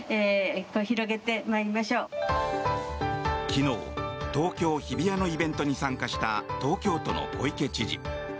昨日、東京・日比谷のイベントに参加した東京都の小池知事。